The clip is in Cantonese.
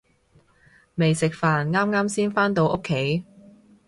未食飯，啱啱先返到屋企